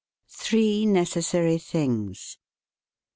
THREE NECESSARY THINGS.